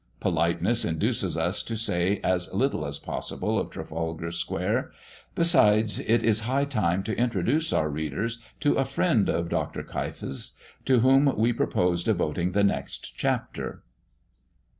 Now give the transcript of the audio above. Politeness induces us to say as little as possible of Trafalgar square. Besides it is high time to introduce our readers to a friend of Dr. Keif's, to whom we propose devoting the next chapter.